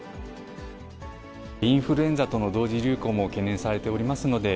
インフルエンザとの同時流行も懸念されておりますので、